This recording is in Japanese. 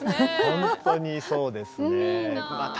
本当にそうですね。